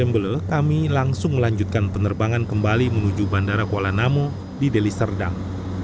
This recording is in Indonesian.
dan selanjutnya kami akan melanjutkan penerbangan kembali menuju bandara kuala namo di deliserdang